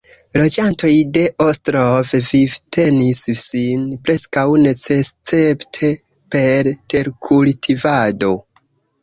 Loĝantoj de Ostrov vivtenis sin preskaŭ senescepte per terkultivado.